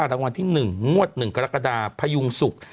รางวัลที่๑งวด๑กรกฎาพยุงศุกร์